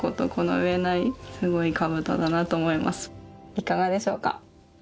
いかがでしょうか？